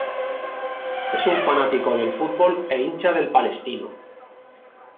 Es un fanático del fútbol e hincha del Palestino.